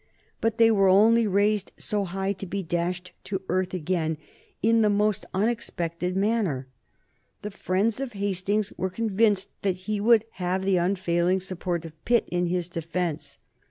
But they were only raised so high to be dashed to earth again in the most unexpected manner. The friends of Hastings were convinced that he would have the unfailing support of Pitt in his defence.